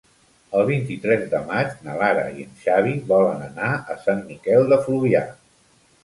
El vint-i-tres de maig na Lara i en Xavi volen anar a Sant Miquel de Fluvià.